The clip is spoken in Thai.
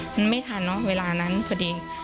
มันไม่ทันเนอะเวลานั้นพอดี